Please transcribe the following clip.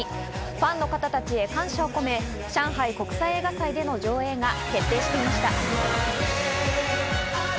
ファンの方たちへの感謝を込め、上海国際映画祭での上映が決定していました。